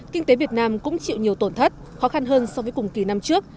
kinh tế việt nam cũng chịu nhiều tổn thất khó khăn hơn so với cùng kỳ năm trước